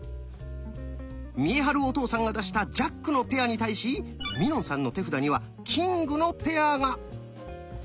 見栄晴お父さんが出した「ジャック」のペアに対しみのんさんの手札には「キング」のペアが。